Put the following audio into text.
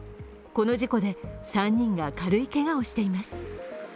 この事故で３人が軽いけがをしています。